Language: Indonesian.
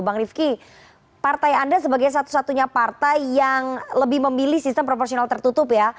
bang rifki partai anda sebagai satu satunya partai yang lebih memilih sistem proporsional tertutup ya